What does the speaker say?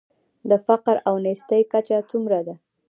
د فقر او نیستۍ کچه څومره ده؟